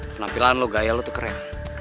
penampilan lo gaya lo tuh keren